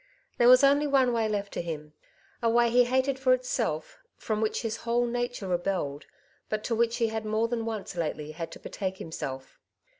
There was only one way left to him — a way he hated for itself, from which his whole nature re belled, but to which he had more than once lately had to betake himself.